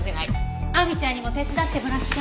亜美ちゃんにも手伝ってもらって。